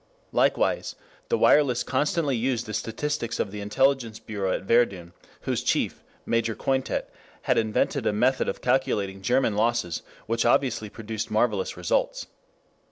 Likewise the wireless constantly used the statistics of the intelligence bureau at Verdun, whose chief, Major Cointet, had invented a method of calculating German losses which obviously produced marvelous results.